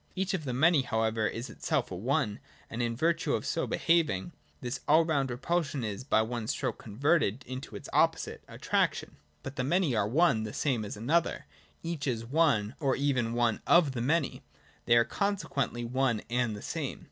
Each of the Many however is itself a One, and in virtue of its so behaving, this all round repulsion is by one stroke converted into its opposite, — Attraction. 98.] (y) But the Many are one the same as another : each is One, or even one of the Many ; they are con sequently one and the same.